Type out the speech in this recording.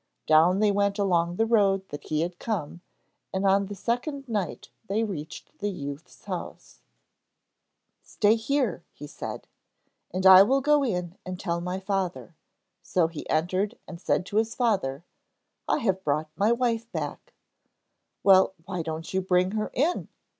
Down they went along the road that he had come, and on the second night they reached the youth's house. [Illustration: THE TLINGIT CHIEF FINDS HIS WIFE IS ILL.] 'Stay here,' he said, 'and I will go in and tell my father.' So he entered and said to his father: 'I have brought my wife back.' 'Well, why don't you bring her in?'